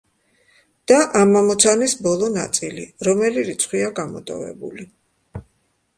და ამ ამოცანის ბოლო ნაწილი: რომელი რიცხვია გამოტოვებული?